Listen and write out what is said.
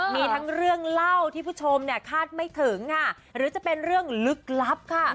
มีทั้งเรื่องเล่าที่ผู้ชมเนี่ยคาดไม่ถึงค่ะหรือจะเป็นเรื่องลึกลับค่ะ